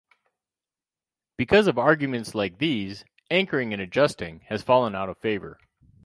Because of arguments like these, anchoring-and-adjusting has fallen out of favor.